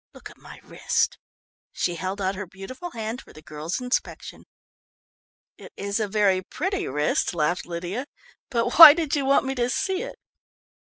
Look at my wrist!" She held out her beautiful hand for the girl's inspection. "It is a very pretty wrist," laughed Lydia, "but why did you want me to see it?"